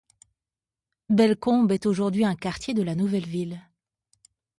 Bellecombe est aujourd'hui un quartier de la nouvelle ville.